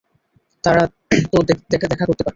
তারা তো দেখা করতে পারত।